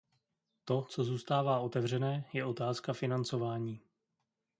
To, co zůstává otevřené, je otázka financování.